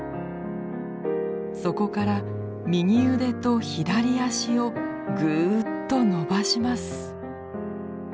そこから右腕と左脚をぐっと伸ばします。